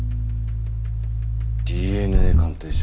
ＤＮＡ鑑定書。